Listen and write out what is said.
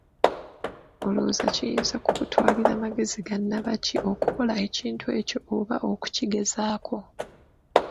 Olowooza kiyinza kukutwalira magezi ga nnabaki okukola ekintu ng'ekyo oba okukigezaako?